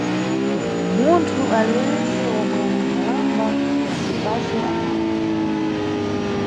Munthu aliwentse omwe ana nkhalamba pa muyi pace, akaphe.